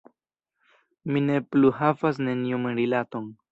Mi ne plu havas neniun rilaton.